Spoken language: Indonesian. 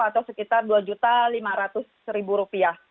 atau sekitar dua lima ratus rupiah